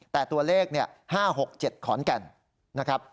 แต่ตัวเลข๕๖๗ขอนแก่นนะครับ